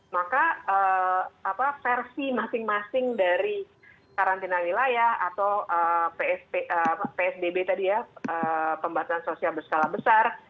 maka versi masing masing dari karantina wilayah atau psbb tadi ya pembatasan sosial berskala besar